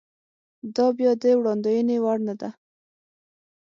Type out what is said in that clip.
دا بیا د وړاندوېنې وړ نه ده.